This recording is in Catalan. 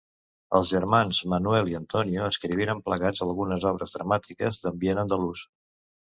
Els germans Manuel i Antonio escriviren plegats algunes obres dramàtiques d'ambient andalús.